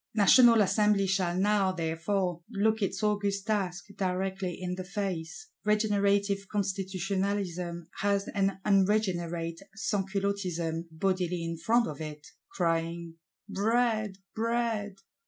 National Assembly shall now, therefore, look its august task directly in the face: regenerative Constitutionalism has an unregenerate Sansculottism bodily in front of it; crying, 'Bread! Bread!